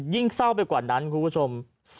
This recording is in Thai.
ยิ่งเศร้าไปกว่านั้นคุณผู้ชม